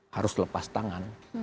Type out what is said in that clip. harus lepas tangan